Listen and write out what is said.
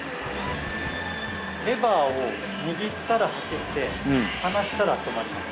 レバーを握ったら走って離したら止まります。